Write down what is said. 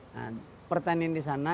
nah pertanian di sana